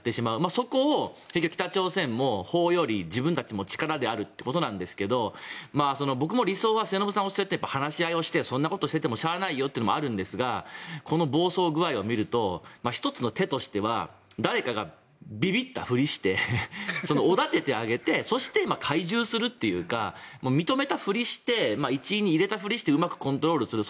そこを結局、北朝鮮も法より自分たちも力であるということなんですが僕も理想は末延さんがおっしゃったように話し合いをしてそんなことしていてもしゃあないよというのもあるんですがこの暴走具合を見ると１つの手としては誰かがビビったふりをしておだててあげてそして懐柔するというか認めたふりしてうまくコントロールする。